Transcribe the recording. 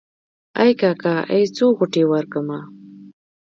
ای اکا ای څو غوټې ورکمه.